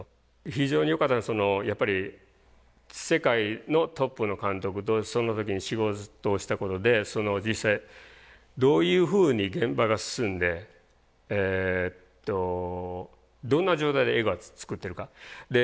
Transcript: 非常によかったのはやっぱり世界のトップの監督とその時に仕事をしたことで実際どういうふうに現場が進んでどんな状態で映画を作ってるか。